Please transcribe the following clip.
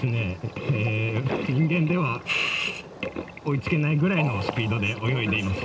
人間では追いつけないぐらいのスピードで泳いでいます。